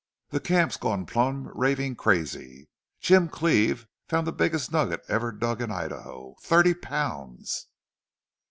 "The camp's gone plumb ravin' crazy.... Jim Cleve found the biggest nugget ever dug in Idaho!... THIRTY POUNDS!"